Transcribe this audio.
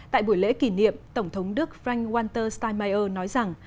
tại buổi lễ kỷ niệm tổng thống đức frank walter steinmeier nói rằng